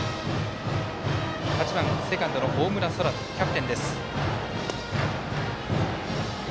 ８番、セカンド、大村昊澄キャプテンです。